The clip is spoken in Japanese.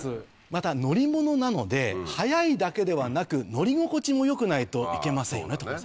また乗り物なので速いだけではなく乗り心地も良くないといけませんよね。